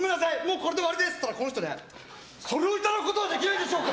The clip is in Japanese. これで終わりですって言ったらこの人、それをいただくことはできないでしょうか？